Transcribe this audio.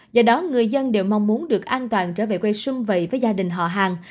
do đó người dân đều mong muốn được an toàn trở về quê xung vầy với gia đình họ hàng